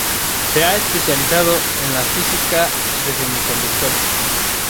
Se ha especializado en la Física de semiconductores.